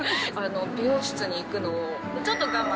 美容室に行くのをちょっと我慢。